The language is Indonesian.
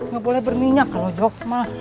gak boleh berminyak loh jok